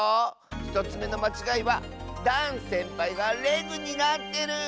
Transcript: １つめのまちがいはダンせんぱいがレグになってる！